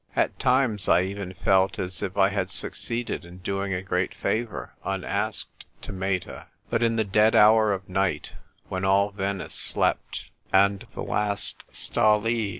At times I even felt as if I had suc ceeded in doing a great favour, unasked, to Meta. But in the dead hour of night, when all Venice slept, and the last " Stall !